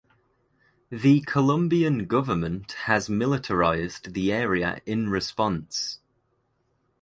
The Colombian government has militarized the area in response.